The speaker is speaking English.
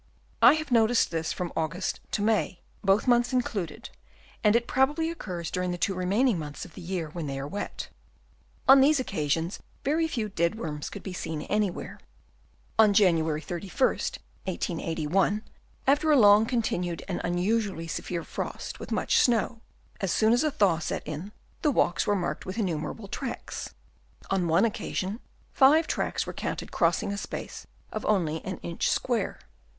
I have noticed this from August to May, both months included, and it probably occurs during the two remaining months of the year when they are wet. On these occasions, very few dead worms could anywhere be seen. On January 31, 1881, after a long continued and unusually severe frost with much snow, as soon as a thaw set in, the walks were marked with innumerable tracks. On one occasion, fiVe tracks were counted crossing a space of only an inch square.